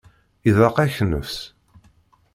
Iḍaq-ak nnefs?